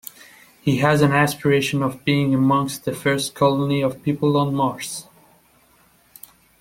He has an aspiration of being amongst the first colony of people on Mars.